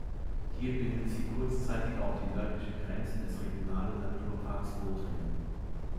Hier bildet sie kurzzeitig auch die nördliche Grenze des Regionalen Naturparks Lothringen.